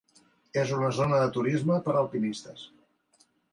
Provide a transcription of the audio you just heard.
És una zona de turisme per alpinistes.